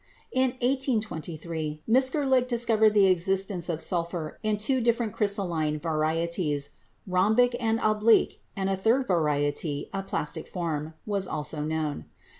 In 1823, Mitscherlich discovered the existence of sulphur in two different crystalline varieties — rhombic and ob lique, and a third variety, the plastic form, was also known.